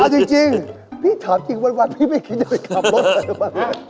อาจจริงพี่ถามจริงวันพี่ไม่คิดจะไปขับรถกันหรือเปล่า